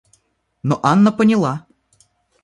Но Анна поняла.